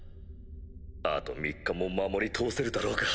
あと３日も守り通せるだろうか。